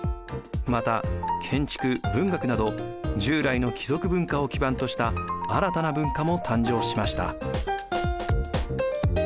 また建築・文学など従来の貴族文化を基盤とした新たな文化も誕生しました。